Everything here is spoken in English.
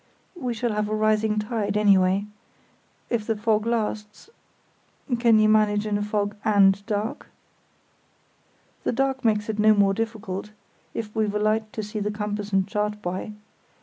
"We shall have a rising tide, anyway. If the fog lasts—can you manage in a fog and dark?" "The dark makes it no more difficult, if we've a light to see the compass and chart by.